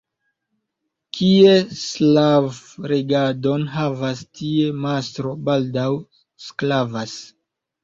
Kie sklav' regadon havas, tie mastro baldaŭ sklavas.